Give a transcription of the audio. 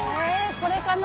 これかな。